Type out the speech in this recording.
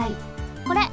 これ。